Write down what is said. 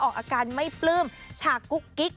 ออกอาการไม่ปลื้มฉากกุ๊กกิ๊ก